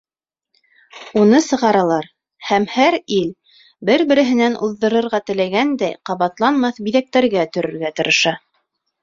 Уны сығаралар, һәм һәр ил, бер-береһенән уҙҙырырға теләгәндәй, ҡабатланмаҫ биҙәктәргә төрөргә тырыша.